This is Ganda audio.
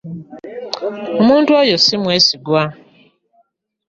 Omuntu oyo si mwesigwa.